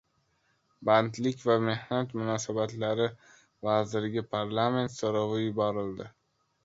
Bandlik va mehnat munosabatlari vaziriga parlament so‘rovi yuborildi